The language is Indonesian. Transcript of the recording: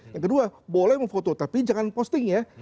yang kedua boleh memfoto tapi jangan posting ya